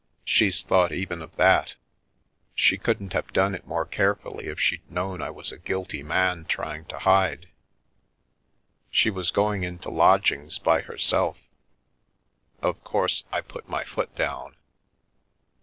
She's thought even of that — she couldn't have done it more carefully if she'd known I was a guilty man trying to hide. She was going into lodgings by her self. Of course I put my foot down.